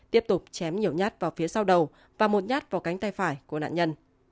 tiếp tục chém nhiều nhát vào phía sau đầu và một nhát vào cánh tay phải của nạn nhân